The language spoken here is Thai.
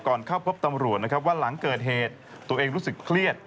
เข้าพบตำรวจนะครับว่าหลังเกิดเหตุตัวเองรู้สึกเครียด